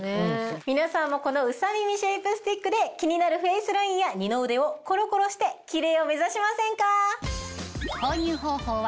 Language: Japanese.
皆さんもこのＵＳＡＭＩＭＩシェイプスティックで気になるフェイスラインや二の腕をコロコロしてキレイを目指しませんか？